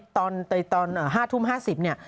ตอน๕ทุ่ม๕๐เนี่ย